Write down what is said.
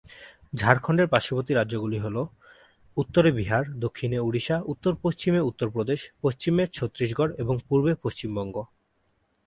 ঝাড়খণ্ডের পার্শ্ববর্তী রাজ্যগুলি হল, উত্তরে বিহার, দক্ষিণে ওড়িশা, উত্তর পশ্চিমে উত্তরপ্রদেশ, পশ্চিমের ছত্তিশগড় এবং পূর্বে পশ্চিমবঙ্গ।